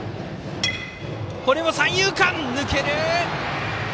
これも三遊間を抜ける！